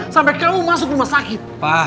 sampai kamu masuk rumah sakit